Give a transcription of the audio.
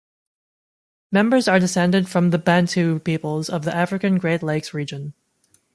Members are descended from the Bantu peoples of the African Great Lakes region.